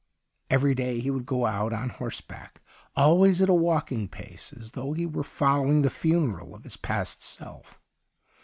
Every day he would go out on horseback, always at a walking pace, as though he were following the funeral of his past self.